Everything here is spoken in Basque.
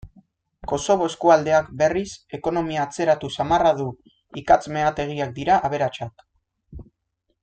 Kosovo eskualdeak, berriz, ekonomia atzeratu samarra du; ikatz-meategiak dira aberatsak.